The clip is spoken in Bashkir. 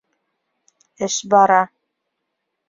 Эш бара.